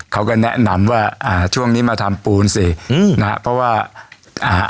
เขาก็แนะนำว่าอ่าช่วงนี้มาทำปูนสิอืมนะฮะเพราะว่าอ่า